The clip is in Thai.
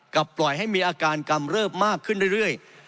ปล่อยให้มีอาการกำเริบมากขึ้นเรื่อย